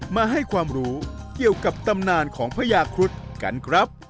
มาให้ความรู้เกี่ยวกับตำนานของพญาครุฑกันครับ